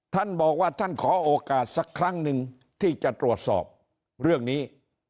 ท่านบอกว่าท่านขอโอกาสสักครั้งหนึ่งที่จะตรวจสอบเรื่องนี้